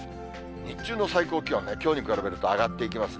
日中の最高気温、きょうに比べると上がっていきますね。